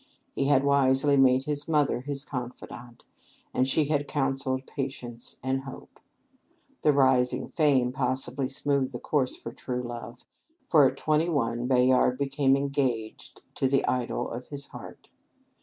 He had wisely made his mother his confidante, and she had counselled patience and hope. The rising fame possibly smoothed the course of true love, for at twenty one, Bayard became engaged to the idol of his heart.